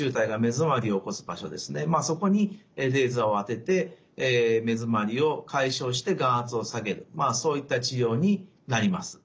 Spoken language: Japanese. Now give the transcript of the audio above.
まあそこにレーザーを当てて目づまりを解消して眼圧を下げるそういった治療になります。